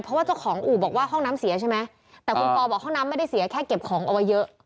เพราะว่าเจ้าของอู่บอกว่าห้องน้ำเสียใช่ไหมแต่คุณปอบอกห้องน้ำไม่ได้เสียแค่เก็บของเอาไว้เยอะ